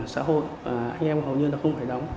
anh em hầu như là không phải đóng